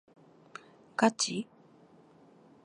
ガチ？